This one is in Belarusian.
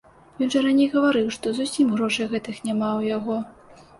Ён жа раней гаварыў, што зусім грошай гэтых няма ў яго.